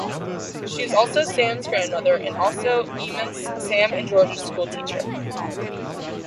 She is also Sams grandmother and also Emus, Sam and Georgia's schoolteacher.